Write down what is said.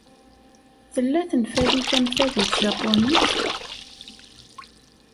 Tella tenfalit am ta deg tjapunit?